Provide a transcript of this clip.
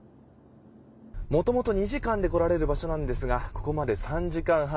もともと２時間で来られる場所なんですがここまで３時間半。